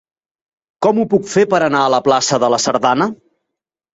Com ho puc fer per anar a la plaça de la Sardana?